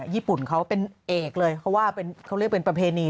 ญี่ปุ่นเขาเป็นเอกเลยเขาว่าเขาเรียกเป็นประเพณี